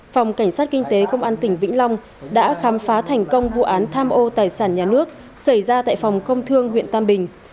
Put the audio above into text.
phòng cảnh sát kinh tế công an tỉnh vĩnh long đã khám phá thành công vụ án tham ô tài sản nhà nước xảy ra tại phòng công thương huyện tam bình